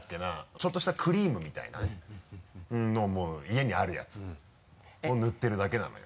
ちょっとしたクリームみたいなのを家にあるやつを塗ってるだけなのよ。